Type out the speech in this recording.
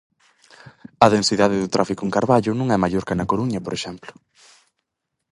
A densidade do tráfico en Carballo non é maior ca na Coruña, por exemplo.